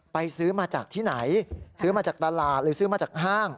ซื้อมาจากที่ไหนซื้อมาจากตลาดหรือซื้อมาจากห้าง